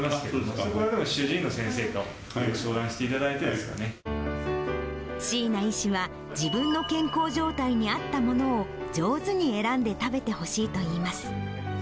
そこは主治医の先生と椎名医師は、自分の健康状態に合ったものを、上手に選んで食べてほしいといいます。